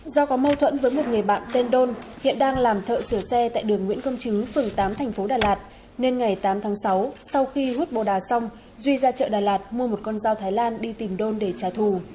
do có mâu thuẫn với một người bạn tên đôn hiện đang làm thợ sửa xe tại đường nguyễn công chứ phường tám thành phố đà lạt nên ngày tám tháng sáu sau khi hút bồ đà xong duy ra chợ đà lạt mua một con dao thái lan đi tìm đôn để trả thù